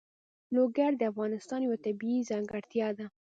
لوگر د افغانستان یوه طبیعي ځانګړتیا ده.